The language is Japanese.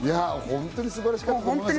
本当にすばらしかった。